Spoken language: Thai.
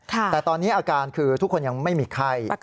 แต่ตอนนี้อาการคือทุกคนยังไม่มีไข้